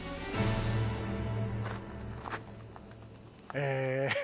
え